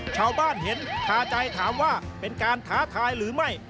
ชาวบ้านเห็นคาใจถามว่าเป็นการท้าทายหรือไม่